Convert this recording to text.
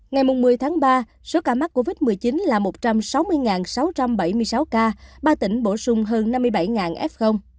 ngày một mươi tháng ba số ca mắc covid một mươi chín là một trăm sáu mươi sáu trăm bảy mươi sáu ca ba tỉnh bổ sung hơn năm mươi bảy f